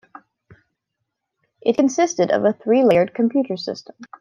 It consisted of a three-layered computer system.